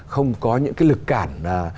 không có những cái lực cản